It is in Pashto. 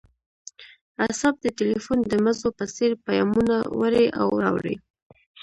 اعصاب د ټیلیفون د مزو په څیر پیامونه وړي او راوړي